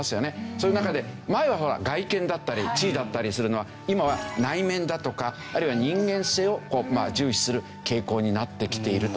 そういう中で前は外見だったり地位だったりするのが今は内面だとかあるいは人間性を重視する傾向になってきていると。